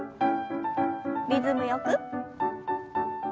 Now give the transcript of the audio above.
リズムよく。